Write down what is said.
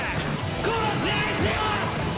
殺し合いしよう！